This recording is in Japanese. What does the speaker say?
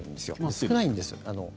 少ないんです。